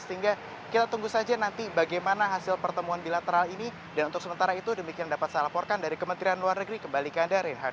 sehingga kita tunggu saja nanti bagaimana hasil pertemuan bilateral ini dan untuk sementara itu demikian dapat saya laporkan dari kementerian luar negeri kembali ke anda reinhardt